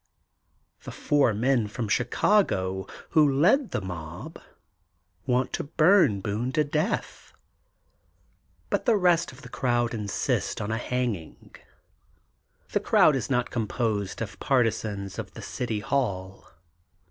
The four men from Chicago, who lead the mob, want to bum Boone to death, but the rest of the crowd insist on a hanging. The crowd is not composed of parti zans of the City Hall.